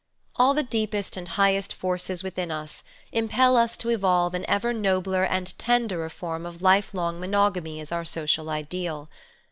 All the deepest and highest forces within us impel us to evolve an ever nobler and tenderer form of life long monogamy as our social ideal.